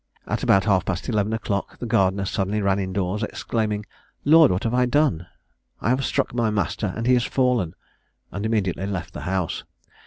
At about half past 11 o'clock, the gardener suddenly ran in doors, exclaiming, "Lord, what have I done; I have struck my master, and he has fallen," and immediately left the house.